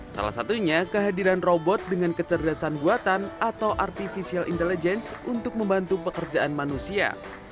salah satunya kehadiran robot dengan kecerdasan buatan atau artificial intelligence untuk membantu pekerjaan manusia